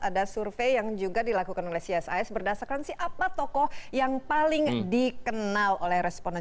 ada survei yang juga dilakukan oleh csis berdasarkan siapa tokoh yang paling dikenal oleh responden